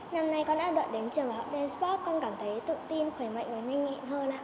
năm nay con đã đợi đến trường và học dance sport con cảm thấy tự tin khỏe mạnh và nhanh nhịn hơn ạ